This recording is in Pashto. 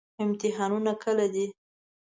امتحانونه کله دي؟